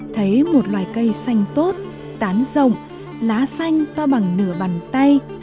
thấy một loài cây xanh tốt tán rộng lá xanh to bằng nửa bàn tay